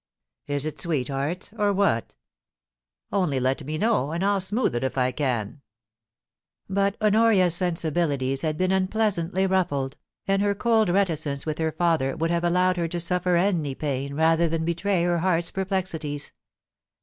Is it sweethearts or what? Only let me know, and I'll smooth it if I can.' But Honoria's sensibilities had been unpleasantly ruffled, and her cold reticence with her father would have allowed MISS LONGLEA T AT THE BVNYAS, 223 her to suffet any pain rather than betray her heart's per plexities.